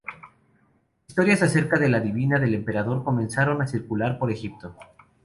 Historias acerca de la divinidad del emperador comenzaron a circular por Egipto.